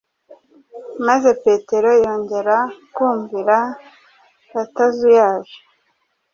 maze Petero yongera kumvira atazuyaje